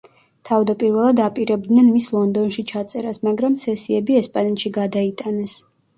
თავდაპირველად აპირებდნენ მის ლონდონში ჩაწერას, მაგრამ სესიები ესპანეთში გადაიტანეს.